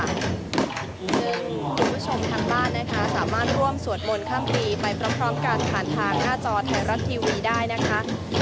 ซึ่งคุณผู้ชมทางบ้านนะคะสามารถร่วมสวดมนต์ข้ามปีไปพร้อมกันผ่านทางหน้าจอไทยรัฐทีวีได้นะคะ